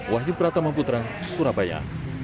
wahyu pratama putra surabaya